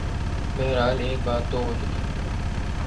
بہرحال ایک بات تو ہو چکی۔